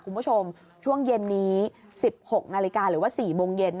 คุณผู้ชมช่วงเย็นนี้๑๖นาฬิกาหรือว่า๔โมงเย็น